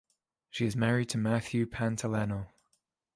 She is married to Matthew Pantaleno.